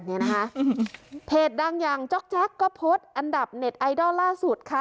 เนี่ยนะคะเพจดังอย่างจ๊อกจ๊อกก็พดอันดับเน็ตไอดอลล่าสุดค่ะ